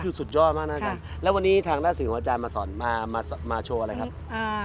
คือสุดยอดมากนักฐานแล้ววันนี้ทางด้านสิงห์อาจารย์มาซ่อนมาโชว์อะไรค่ะ